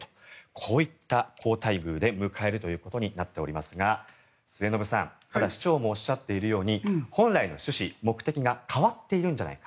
こういった好待遇で迎えるということになっていますが末延さん、市長もおっしゃっているように本来の趣旨、目的が変わっているんじゃないか。